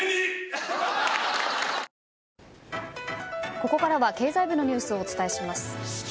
ここからは経済部のニュースをお伝えします。